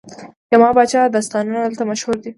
د یما پاچا داستانونه دلته مشهور دي